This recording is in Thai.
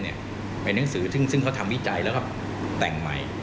เป็นหนังสือซึ่งเขาทำวิจัยแล้วก็แต่งใหม่